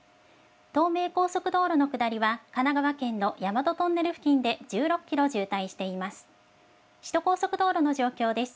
東名高速道路の下りは神奈川県の大和トンネル付近で１６キロ渋滞しています。